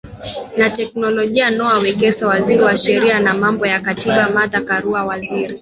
na teknolojia Noah Wekesa Waziri wa sheria na mambo ya katiba Martha Karua Waziri